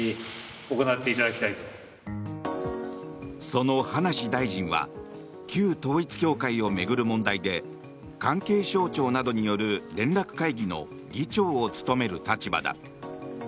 その葉梨大臣は旧統一教会を巡る問題で関係省庁などによる連絡会議の議長を務める立場だ。